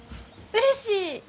うれしい！